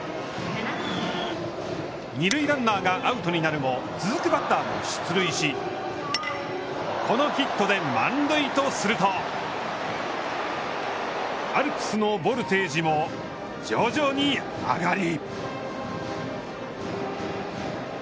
二塁がアウトになるも、続くバッターが出塁し、このヒットで満塁とすると、アルプスのボルテージも徐々に上がり。